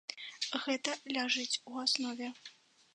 Гэта ляжыць у аснове.